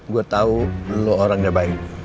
gue tau lu orangnya baik